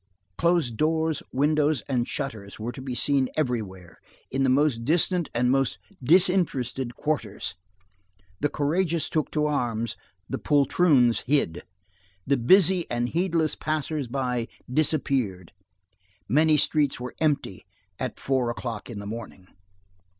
Closed doors, windows, and shutters were to be seen everywhere, in the most distant and most "disinterested" quarters. The courageous took to arms, the poltroons hid. The busy and heedless passer by disappeared. Many streets were empty at four o'clock in the morning.